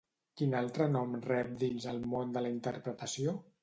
Quin altre nom rep dins el món de la interpretació?